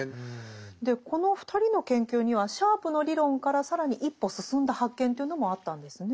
この２人の研究にはシャープの理論から更に一歩進んだ発見というのもあったんですね。